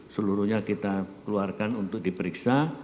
seluruhnya kita keluarkan untuk diperiksa